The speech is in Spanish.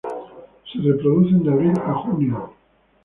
Se reproducen de abril a junio.